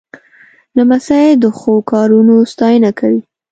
لمسی د ښو کارونو ستاینه کوي.